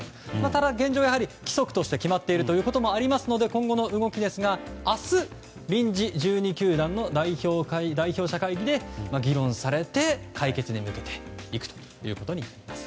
ただ現状、規則として決まっているということがありますので、今後の動きですが明日、臨時１２球団の代表者会議で議論されて解決に向けていくことになります。